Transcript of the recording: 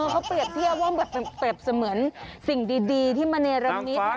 เขาเปรียบเทียบว่าแบบเปรียบเสมือนสิ่งดีที่มเนรมิต